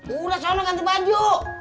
udah sana ganti baju